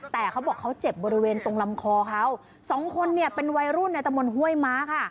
แต่เขาบอกเขาเจ็บบริเวณตรงลำคอเขาสองคนเนี่ยเป็นวัยรุ่นในตะมนต์ห้วยม้าค่ะ